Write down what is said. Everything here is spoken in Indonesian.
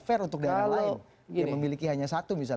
fair untuk daerah lain